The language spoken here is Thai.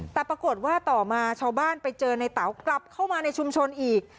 แต่ปรากฏว่าต่อมาชาวบ้านไปเจอในเต๋ากลับเข้ามาในชุมชนอีก